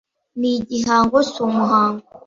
ni igihango si umuhango